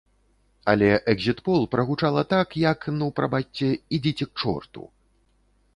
Але экзітпол прагучала так, як, ну прабачце, ідзіце к чорту!